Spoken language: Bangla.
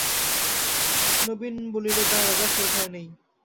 নবীন বললে, না দাদা, সে ভয় নেই।